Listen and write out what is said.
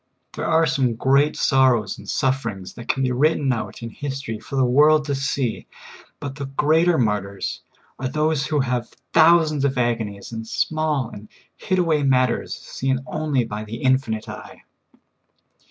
There are some great sorrows and sufferings that can be written out in histor} for the world to see ; but the greater martyrs are those who have thousands of agonies in small and hid aw^ay matters seen only by the Infinite e3^e.